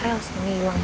tidak ada siapa lagi